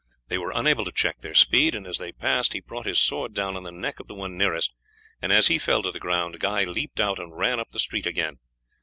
They were unable to check their speed, and as they passed he brought his sword down on the neck of the one nearest, and as he fell to the ground Guy leapt out and ran up the street again.